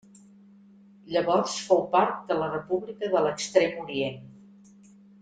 Llavors fou part de la República de l'Extrem Orient.